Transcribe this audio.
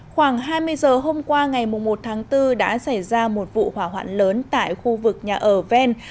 khoảng hai mươi giờ hôm qua ngày một tháng bốn đã xảy ra một vụ hỏa hoạn lớn tại khu vực nhà ở ven